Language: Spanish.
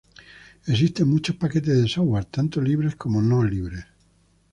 Existen muchos paquetes de software, tanto libres como no libres.